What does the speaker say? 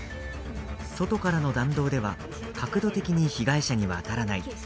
外からの弾道では、角度的に被害者には当たらない。